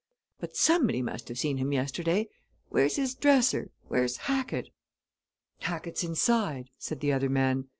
But somebody must have seen him yesterday. Where's his dresser where's Hackett?" "Hackett's inside," said the other man.